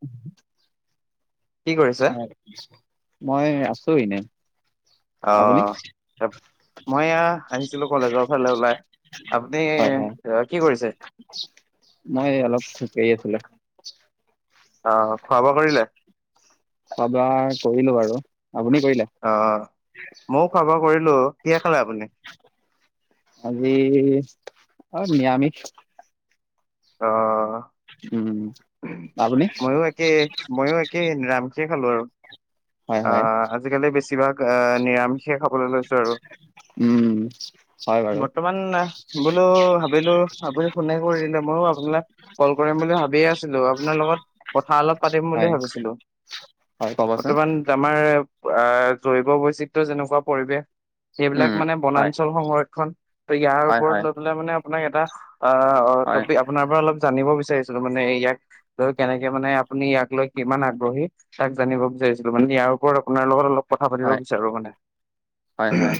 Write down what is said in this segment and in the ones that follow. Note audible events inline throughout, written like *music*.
*unintelligible* কি কৰিছে? হয় মই আ আছো এনে। আপুনি অ', মই এয়া আহিছিলো কলেজৰ ফালে ওলাই, আপুনি, হয় হয় কি কৰিছে? মই অলপ খোজকাঢ়ি আছিলো অ', খোৱা বোৱা কৰিলে? খোৱা বোৱাই কৰিলোঁ আৰু। অ', মইও খোৱা বোৱা কৰিলোঁ, কিহেদি খালে আপুনি? আজি, আহ নিৰমিষ। অ', উম আপুনি মইয়ো একে মইয়ো একে নিৰামিষে খালোঁ আৰু। হয় হয় অ', আজিকালি বেছিভাগ এহ নিৰা ষে খাবলৈ লৈছো আৰু, উম হয় বাৰু বৰ্তমান বোলো, ভাবিলো ভাবি ফোনে কৰি দিলোঁ মোৰো আপুনাক কল কৰিম বুলি ভাবিয়ে আছিলোঁ আপোনাৰ লগত, কথা অলপ পাতিম বুলি হয় ভাবিছিলোঁ। হয় ক'বচোন ৰ্তমান আমাৰ আহ জৈৱ বৈচিত্ৰ যেনেকুৱা পৰিৱেশ। উম সেইবিলাক মানে হয় বনাঞ্চল সংৰক্ষণ ত ইয়াৰ হয় ওপৰত হয় লৈ পেলে মানে আপোনাক এটা অ অ হয় ত আপোনাৰ পৰা অলপ জানিব বিচ বিচাৰিছিলো মানে ইয়াক লৈ কেনেকে মানে আপুনি ইয়াক লৈ কিমান আগ্ৰহী তাক জানিব বিচাৰিছিলো। মানে ইয়াৰ ওপৰত আপোনাৰ লগত অলপ কথা পাতিব হয় বিচাৰো মানে, হয় হয়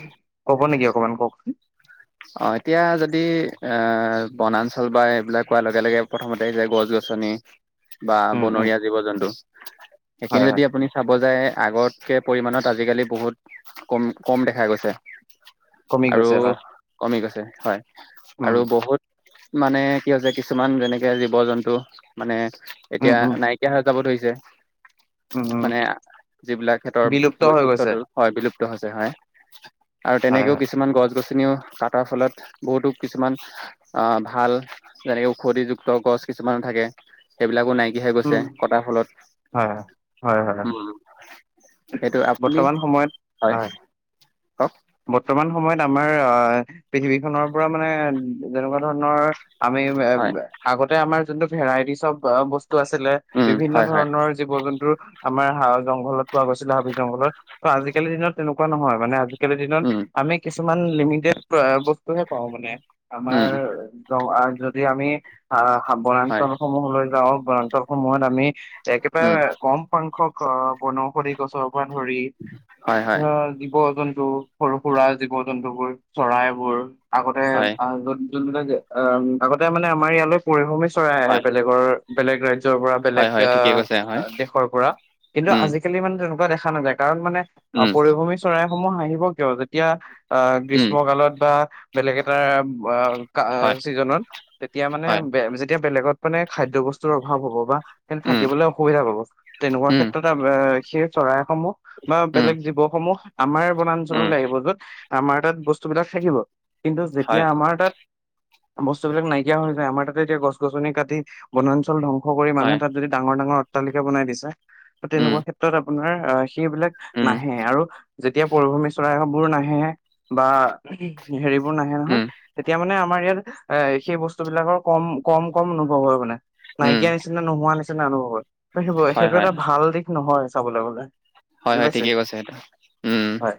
ক'ব নেকি অকমান কওকচোন অ এতিয়া যদি আহ বনাঞ্চল বা এইবিলাক কোৱাৰ লগে লগে প্ৰথমতে যে গছ গছনি বা উম উম বনৰীয়া জীৱ জন্তু সেইখিনি হয় যদি হয় আপুনি চাব যায়। আগতকে পৰিমাণত আজিকালি বহুত কম কম দেখা গৈছে। কমি আৰু গৈছে হয়। কমি গৈছে হয়। উম আৰু বহুত মানে কি হৈছে কিছুমান যেনেকে জীৱ জন্তু মানে উম এতিয়া উম নাইকিয়া হৈ যাব ধৰিছে। যে উম উম মানে যিবিলাক সিহঁতৰ বিলুপ্ত হৈ গৈছে বৈশিষ্ট্যটো হয় বিলুপ্ত সেইটো হৈছে হয়। আৰু হয় তেনেকেও হয় কিছুমান গছ-গছ নিও, কাটাৰ ফলত বহুতো কিছুমান অ' ভাল যেনেকে ঔষধিযুক্ত গছ কিছুমান থাকে, সেইবিলাকো নাই। হে গৈছে উম কটাৰ ফলত। হয় হয় হয় হয় হয় উম, সেইটো আপুনি বৰ্তমান সময়ত হয়। কওক বৰ্তমান সময়ত আমাৰ আহ, পৃথিৱীখনৰ পৰা মানে যেনেকুৱা ধৰণৰ, আমি হয় আগতে আমাৰ যোনটো ভেৰাইটিচ বস্তু, টো আছিলে উম বিভিন্ন হয় হয় ধৰণৰ জীৱ-জন্তুৰ, আমাৰ হা জংঘলত পোৱা গৈছিলে হাবি জংঘলত ত আজিকালি দিনত তেনেকুৱা নহয় মানে আজি আজি কালি দিনত উম আমি কিছ কিছুমান লিমিটেড বস্তুহে পাওঁ মানে। আমাৰ উম গা যদি আমি আ হয় বনাঞ্চল সমূহলৈ যাওক বনাঞ্চল সমূহত আমি উম একেবাৰে কম সংখ্যক অ' *unintelligible* *unintelligible* ধৰি হয় হয় অ' জীৱ জন্তু টো সৰু সুৰা জীৱ জন্তু বোৰ চৰাইবোৰ আগতে হয় অ' য'ত যোন বিলাক আগতে মানে আমাৰ ইয়ালৈ *unintelligible* চৰাই আহে হয় বেলেগৰ বেলেগ ৰাজ্যৰ পৰা হয় বেলেগ হয় ঠিকেই কৈছে হয় অ' দেশৰ পৰা কিন্তু উম আজিকালি মানে তেনেকুৱা তেনেকুৱা দেখা নাযায় কাৰণ মানে অ', পৰিভ্ৰমি চৰাই সমূহ আহিব কিয় যেতিয়া অ', গ্ৰীষ্মকালত বা বেলেগ এটাৰ আ-কা চিজনত তেতিয়া মানে বে-যেতিয়া বেলেগত মানে খাদ্য বস্তুৰ অভাৱ হ'ব বা থাকিবলে অসুবিধা পাব, তেনেকুৱা ক্ষেত্ৰত সেই চৰাই সমূহ বা বেলেগ জীৱসমূহ। আমাৰ বনাঞ্চললৈ আহিব য'ত আমাৰ তাত বস্তুবিলাক থাকিব। কিন্তু, যেতিয়া আমাৰ তাত বস্তুবিলাক নাইকিয়া হৈ যায় আমাৰ তাতে এতিয়া গছ গছনি কাটি বনাঞ্চল ধং কৰি মানুহে তাত যদি ডাঙৰ, ডাঙৰ অট্টালিকা বনাই দিছে। ত' তেনেকুৱা ক্ষেত্ৰত আ আপোনাৰ আ সেইবিলাক নাহে আৰু যেতিয়া পৰিভূমী চৰাইবোৰ নাহে বা হেৰি নাহে নহয় তেতিয়া মানে আমাৰ ইয়াত এ সেই বস্তু বিলাকৰ কম কম কম অনুভৱ হয় মানে। নাইকিয়া নিচিনা নোহোৱা নিচিনা *unintelligible* খিব সেইটো হয়, এটা ভাল দিশ নহয়। চাবলৈ গলে। হয় বুজি হয় পাইছে ঠিকেই কৈছে সেইটো। উম হয়।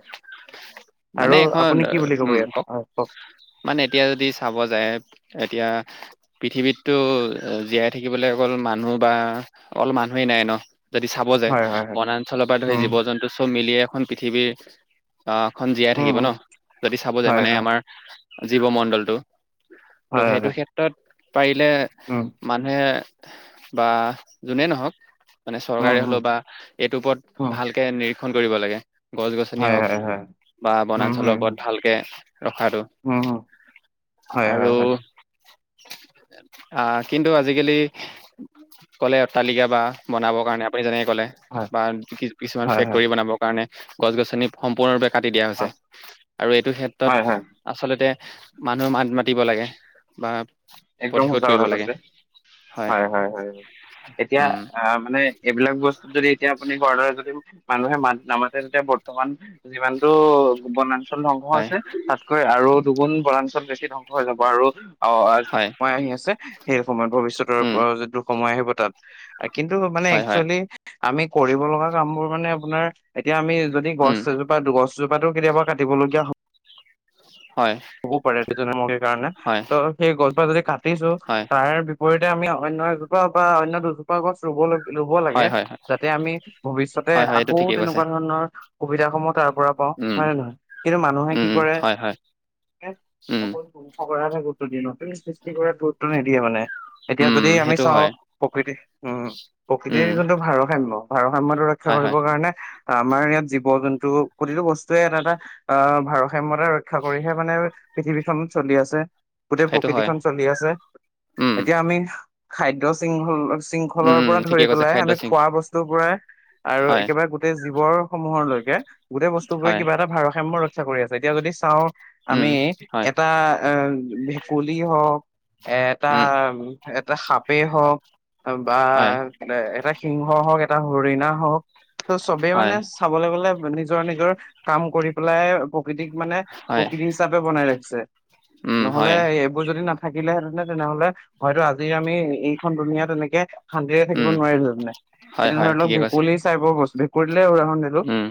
আৰু মানে এখন আপুনি কি বুলি ক'ব উম ইয়াত কওক হয় মানে এতিয়া যদি চাব যায় এতিয়া এতিয়া পৃথিৱীততো জীয়াই থাকিবলে অকল মানুহ বা অল মানুহেই নাই ন। যদি চাব যায় হয় হয় হয় বনাঞ্চলৰ উম জীৱ জন্তু চব মিলি এখন পৃথিৱীৰ অ' খন জীয়াই উম থাকিব উম ন যদি চাব যায় হয় মানে হয় আমাৰ। জীৱমণ্ডলটো। ত' হয় সেইটো হয় ক্ষেত্ৰত পাৰিলে উম মানুহে বা যোনেই নহওক মানে উম চৰকাৰে উম হ'লেও বা এইটোৰ ওপৰত উম ভালকে নি খন কৰিব লাগে। গছ গছনি হয় হওক হয় হয় বা উম বনাঞ্চলৰ হুম ওপৰত হুম ভালকে ৰখাটো উম, হুম হয় হয় আৰু হয় অ' কিন্তু আজিকালি কলে অট্টালিকা বা বনাবৰ কাৰণে আপুনি যেনেক ক'লে হয় বা কিছুমান হয় হয় ফেক্ৰী বনাব কাৰণে নে গছ গছনি সম্পূৰ্ণৰূপে কাটি দিয়া হৈছে হয় আৰু এইটো ক্ষেত্ৰত হয় হয় আচলতে মানুহ মাত মাতিব লাগে। বা একদম প্ৰতিশোধ সঁচা কৰিব কথা লাগে কৈছে হয় হয় হয় এতিয়া উম আহ মানে এইবিলাক বস্তুত যদি এতিয়া আপুনি ঘৰ্ডাৰ যদি মানুহে মাত নামাতে তেতিয়া বৰ্তমান যিমানটো বনা ল, ধ্বংস হয় হৈছে, তাতকৈ আৰু দুগুণ বনাঞ্চল বেছি ধ্বংস হৈ যাব, আৰু অ' হয় *unintelligible* আহি আছে সেই সময়ত ভৱিষ্যতৰ উম পৰা যিটো সময় আহি *unintelligible* কিন্তু মানে হয় হয় একচুৱেলি আমি কৰিব লগা কামবোৰ মানে আপোনাৰ এতিয়া আমি যদি উম গছ এজোপা দুগছ জোপাটো কেতিয়াবা কাটিবলগীয়া হয়। হয়। হ'ব পাৰে সটো যেনে *unintelligible* কাৰণে হয় ত' সেই গছজোপা যদি দিছো, হয় তাৰ বিপৰীত আমি অন্য এজোপা বা অন্য দুজোপা গছ ৰুবলৈ লব লাগে হয় হয় হয় যাতে আমি ভৱিষ্যতে হয় হয় আকৌ এইটো ঠিকেই কৈছে তেনেকুৱা ধৰণৰ সুবিধাসমূহ তাৰ পৰা পাওঁ হয় উম, নে নহয়? কিন্তু মানুহে উম, কি উম, কৰে হয়, হয়। উম, অ *unintelligible* *unintelligible* গুৰুত্ব দিয়ে নতুন সৃষ্টি কৰাত গুৰুত্ব নিদিয়ে মানে এতিয়া উম, যদি আমি সেইটো চাওঁ হয়। প্ৰকৃতি উম প্ৰকৃতিৰ উম, যোনটো ভাৰসাম্য, ভাৰসাম্যটো ৰক্ষা হয়, হয়, কৰিবৰ কাৰণে আমাৰ ইয়াত জীৱ জন্তু প্ৰতিটো বস্তুৱে এটা এটা অ' ভাৰসাম্যতা ৰক্ষা কৰিহে মানে পৃথিৱীখন চলি আছে। গোটেই সেইটো হয়। প্ৰকৃতিখন চলি আছে। উম, এতিয়া আমি খাদ্য শৃংখল উম, শৃংখলৰ উম, পৰা ঠিকে ধৰি কৈছে পেলাই খাদ্য আমি চিং খোৱা বস্তুৰ পৰাই, আৰু হয়, একেবাৰে গোটেই জীৱৰ সমূহলৈকে গোটেই বস্তুবোৰে হয়, কিবা এটা ভাৰসাম্য ৰখ ক্ষা কৰি আছে। এতিয়া যদি চাওঁ উম, আমি, হয়, এটা অ ভেকুলী হওক এটা উম, এটা সাপেই হওক অ বা হয়, এ সিংহ হওক, এটা হৰিণা হওক। ত' চবেই হয়, মানে চাবলৈ গ'লে নিজৰ নিজৰ কাম কৰি পেলাই। *unintelligible* প্ৰাকৃতিক মানে হয়, *unintelligible* হিচাপে বনাই ৰাখিছে। উম, ন'হলে হয়, এইবোৰ যদি নাথা থাকিলেহেতেনে, তেনেহলে হয়তো আজি আমি এইখন দুুনীয়াত এনেকে শান্তিৰে থাকিব উম, নোৱাৰিলো হেতেনে। হয়, এতিয়া হয়, ধৰি লওক ঠিকে কৈছে। ভেকুলী চাইপৰ বস্তু ভেকুলীলে উদাহৰণ দিল হল এটৌ উম,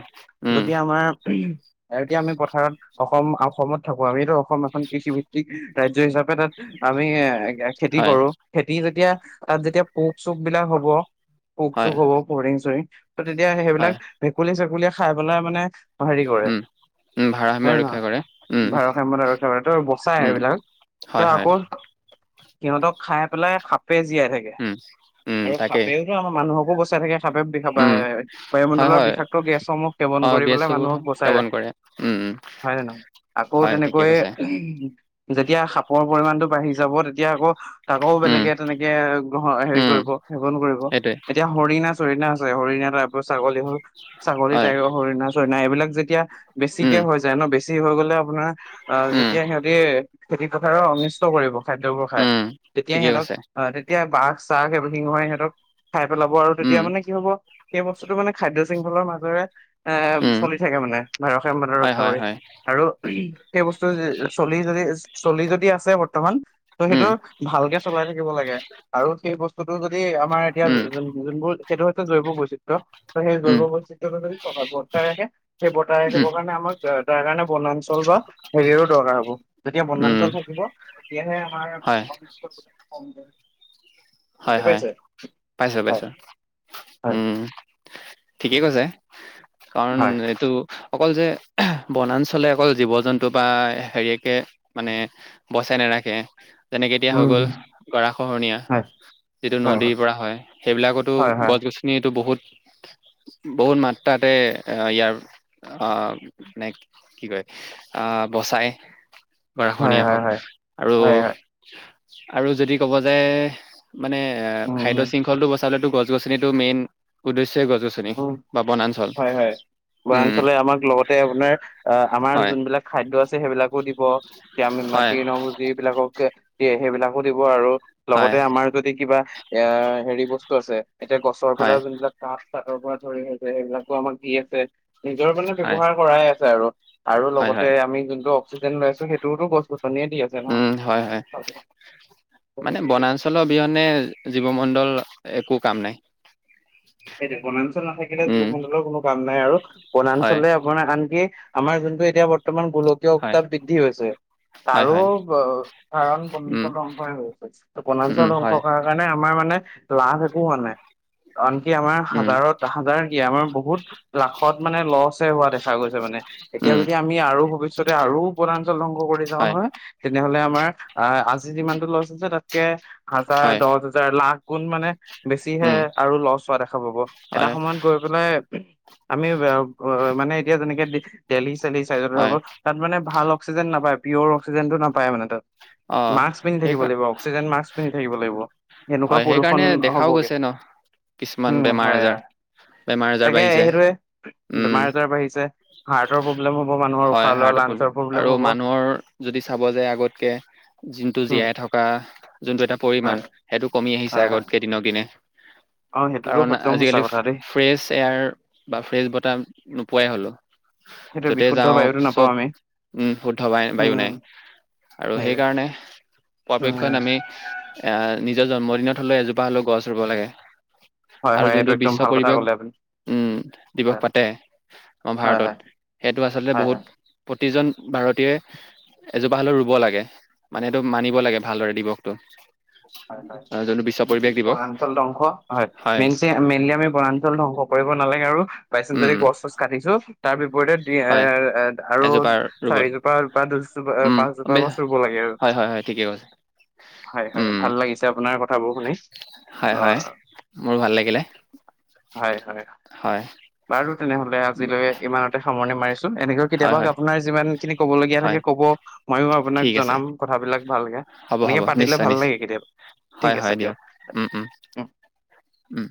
উম, যদি আমাৰ আ এতিয়া আমি পথাৰত অসম। *unintelligible* অসমত থাকো, আমিতো অসম এখন কৃষিভিত্তিক ৰাজ্য হিচাপে তাত আমি এ খেতি হয়, কৰো। খেতি যেতিয়া তাত যেতিয়া পোক-চোক বিলাক হ'ব। হয়, পোক-চোক হ'ব, ফৰিং-চৰিং। তেতিয়া সেইবিলাক হয়, ভেকুলী-চেক *unintelligible* লিয়ে খাই পেলাই মানে হেৰি কৰে উম। উম, হয় ভাৰসাম্য নে নহয় ৰক্ষা কৰে। উম, ভাৰসাম্যতা ৰক্ষা কৰে, টো বচাই উম, সেইবিলাক। তো হয়, হয়, আকৌ সিহঁতক খাই পেলাই। *unintelligible* *unintelligible* জীয়াই থাকে উম, উম, আৰু তাকেই। সাপেওতো আমাৰ মানুহক *unintelligible* থাকে। সাপে বি উম, হয়, বায়ুমণ্ডলৰ হয়, বিষাক্ত গেছসমূহ সেৱন অ', কৰি পেলাই গেছো মানুহক বচাই সেৱন ৰাখে। কৰে। উম, উম, হয় নে নহয়? আকৌ হয়, ঠিকে তেনেকৈ কৈছে। যেতিয়া সাপৰ পৰিমাণটো বাঢ়ি যাব তেতিয়া আকৌ তাকো উম, বেলেগে তেনেকে গ্ৰহ হেৰি উম, কৰিব সেৱন কৰিব। সেইটোৱে এতিয়া হৰিনা যে হৰিণা আছে, হৰিণ এটা ছাগলী হ'ল, ছাগলী হয়, টাইপ হৰিণা-চৰিণা এইবিলাক যেতিয়া বেছিকে উম, হৈ যায় ন, বেছি হৈ গ'লে--অ *unintelligible* অ', উম। যেতিয়া সিহঁতি খেতি-পথাৰৰ অনিষ্ট কৰিব। খাদ্যবোৰ খাই, উম, তেতিয়া ঠিকে সিহঁতক কৈছে। অ তেতিয়া বাঘ *unintelligible* সিহঁতক খাই পেলাব আৰু তেতিয়া উম, মানে কি হব সেই বস্তুতটো মানে খাদ্য শৃংহলৰ মাজেৰে এ উম, চলি থাকে মানে *unintelligible* হয়, ৰক্ষ্যা হয়, কৰি হয়। আৰু সেই বস্তু চলি যদি চলি যদি আছে বৰ্তমান তো উম, সেইটো ভালকে চলাই থাকিব লাগে আৰু সেই বস্তুটো যদি আমাৰ এতিয়া উম, যোনবোৰ সেইটো হৈছে জৈৱ বৈচিত্ৰ্য। সেই উম, জৈৱ বৈচিত্ৰ্যটো যদি বৰ্তাই ৰাখে সেই বৰ্তাই উম, ৰাখিবৰ কাৰণে আমাক তা তাৰ কাৰণে বনঞ্ছ *unintelligible* বা হেৰিৰো দৰকাৰ হব। যেতিয়া উম, বনাঞ্চল থাকিব তেতিয়াহে আমাৰ হয়, সম্পদ সমূহ হয় হয়, পাইছো হয় পাইছো, হয় উম। ঠিকেই কৈছে। কাৰণ হয় এইটো অকল যে বনাঞ্চলে অকল জীৱ জন্তু বা হেৰিয়াকে মানে বচাই নাৰাখে। তেনেকে এতিয়া হৈ উম গ'ল, গৰা খহনীয়া। হয় যিটো নদীৰ পৰা হয়। সেইবিলাকতো হয় হয় গছ গছনিত বহুত বহুত মাত্ৰাতে ইয়াৰ মানে কি কয় বচাই হয় গৰাখহনীয়া হয় হওঁক আৰু হয় হয় হয় আৰু যদি ক'ব যায় মানে খাদ্য উম শৃংখলতটো বচাবলেতো গছ গছনিটো মেইন উদ্দেশ্য উম, হয়, হয়। উম বনাঞ্চলে আমাক লগতে আপোনাৰ আমাৰ হয় যোনবিলাক খাদ্য আছে সেইবিলাক ক'ত দিব যে হয় মাটি নবুজি এইবিলাককে দিয়ে সেইবিলাকো দিব আৰু লগতে হয় আমাৰ যদি কিবা এয়া হেৰি বস্তু আছে এতিয়া গছৰ পৰা হয় যোনবিলাক কাঠ কাঠৰ পৰা খৰি হৈছে সেইবিলাকো আমাক দি আছে। নিজৰ মানে হয় ব্যৱহাৰ কৰাই আছে আৰু। আৰু হয় লগতে হয় আমি যোনটো অক্সিজেন লৈ আছো সেইটোতো গছ-গছনি উম, হয়, হয়। মানে গতিকে বনাঞ্চলৰ অবিহনে জীৱমণ্ডল একো কাম নাই। সেইটো বনাঞ্চল নাথাকিলে জীৱ উম মণ্ডলৰ কোনো কাম নাই আৰু। হয় বনাঞ্চলে আপোনাক আনকি আমাৰ জোনটো এতিয়া বৰ্তমান গোলকীয় হয় উত্তাপ বৃদ্ধি হৈছে, হয় তাৰো হয় ক কাৰণ উম বনাঞ্চল ধ্বংস হৈ গৈছে। ত' বনাঞ্চল উম ধ্বংস হয় কৰাৰ কাৰণে আমাৰ মানে লাভ একো হোৱা নাই, কাৰণ কি আমাৰ উম হাজাৰত হাজাৰ কি, আমাৰ বহুত লাখত মানে লচহে হোৱা দেখা গৈছে মানে। এতিয়া উম যদি আমি আৰু ভৱিষ্যতে আৰু বনাঞ্চল ধ্বংস কৰি যাওঁ হয় নহয়, তেনেহলে আম মাৰ আহ আজি যিমানতো লছ আছে তাতকে হাজাৰ হয় দহ হাজাৰ লাখ কোন মানে বেছিহে উম আৰু লষ্ট হোৱা দেখা পাব। এটা হয় সময়ত গৈ পেলাই আমি মানে এতিয়া যেনেকে দিল্লী চ চাইডত হয় ধৰক, তাত মানে ভাল অক্সিজেন নাপায়। পিউৰ অক্সিজেন নাপায় মানে তাত। অ মাস্ক পিন্ধি সেই থাকিব লাগিব, অক্সিজেন মাস্ক পিন্ধি থাকিব লাগিব। সেনেকুৱা হয়। প্ৰদূষণ সেইকাৰণে দেখাওঁ হ'বগে গৈছে ন। কিছুমান উম বেমাৰ হয় আজাৰ বেমাৰ আজাৰ তাকে এ বাঢ়িছে ইেইটোৱে উম বেমাৰ আজাৰ বাঢ়িছে। হাৰ্টৰ প্ৰব্লেম হ'ব মানুহৰ হয় উশাহ লোৱা হাৰ্টৰ লাঞ্চৰ প্ৰব্লেম, আৰু হ'ব মানুহৰ যদি চাব যে আগতকে যোনটো উম জীয়াই থকা যোনটো এটা হয় পৰিমামান, সেইটো কমি আহিছে হয় হয় আগতকে দিনক দিনে। অ সেইটোতো কাৰণ একদম সঁচা আজিকালি কথা দেই ফ্ৰেছ এয়াৰ বা ফ্ৰেছ বতাহ নোপোৱাই হ'লো। সেইটো যতে বিশুদ্ধ যাওঁ বায়ুতো নাপাওঁ চব আমি উম বিশুদ্ধ বায় বায়ু নাই, উম আৰু সেইটোৱে সেইকাৰণে উম পৰাপক্ষত আমি এ নি নিজৰ জন্মদিনত হ'লে এজোপা হ'লেও গছ ৰুব লাগে। হয় আৰু হয় এইটো যোনটো একদম বিশ্ব ভাল কথা পৰিৱেশ ক'লে আপুনি উম, দিৱস হয় পাতে। অ', হয় হয় ভাৰতত সেইটো আচলতে হয় হয় বহুত প্ৰতিজন ভাৰতীয় এজোপা হ'লেও ৰুব লাগে, মানে এইটো মানিব লাগে ভালদৰে দিৱসটো। হয়, হয়, আহ যোনটো বিশ্ব পৰিৱেশ দিৱস বনাঞ্চল ধ্বংস হয়, মেই-মেইনলি আমি বনাঞ্চল ধ্বংস কৰি কৰিব নালাগে আৰু বাই চাঞ্চ যদি উম গছ, চচ কাটিছোঁ *unintelligible* *unintelligible* এ, হয় এ, আৰু এজোপা ৰুবল চাৰিজোপা বা উম দুজো-পাঁচজোপা গছ বে- ৰু'ব লাগে আৰু। হয় হয় হয় ঠিকে কৈছে হয়, হয়। উম ভাল লাগিছে আপোনাৰ কথাবোৰ শুনি। হয় হয় অ'' মোৰ ভাল লাগিলে হয়, হয় হয় বাৰু তেনেহ'লে আজিলৈ ইমানতে সামৰণি মাৰ। এনেকৈ হয় কেতিয়াবা হয় আপোনাৰ যিমান খিনি কব লগীয়া থাকে হয় ক'ব, মইও আপোনাক ঠিক আছে জনাম কথাবিলাক ভালকে, হ'ব হ'ব এনেকে পাতিলে নিশ্চয় ভাল নিশ্চয় লাগে। কেতিয়াবা, ঠিক হয়, আছে হয় দিয়ক উম, উম, উম।